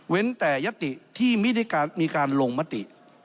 เว้นแต่ยัตติที่มีการมีการลงมติ